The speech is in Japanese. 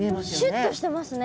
シュッとしてますね。